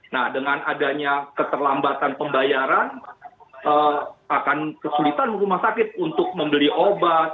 nah dengan adanya keterlambatan pembayaran akan kesulitan rumah sakit untuk membeli obat